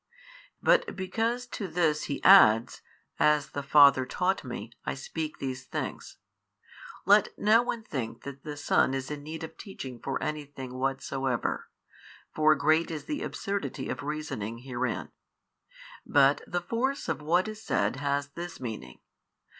But because to this He adds, As the Father taught Me, I speak these things, let no one think that the Son is in need of teaching for any thing whatsoever (for great is the absurdity of reasoning herein): but the force of what is said has this meaning.